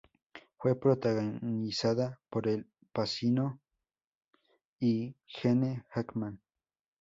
Fue protagonizada por Al Pacino y Gene Hackman.